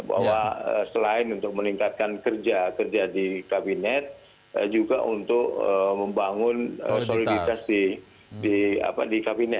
bahwa selain untuk meningkatkan kerja kerja di kabinet juga untuk membangun soliditas di kabinet